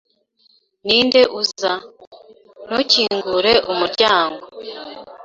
Ninde uza, ntukingure umuryango.